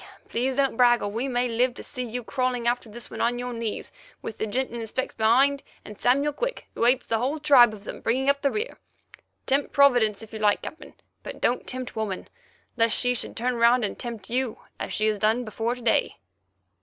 Please don't brag, or we may live to see you crawling after this one on your knees, with the gent in the specs behind, and Samuel Quick, who hates the whole tribe of them, bringing up the rear. Tempt Providence, if you like, Captain, but don't tempt woman, lest she should turn round and tempt you, as she has done before to day."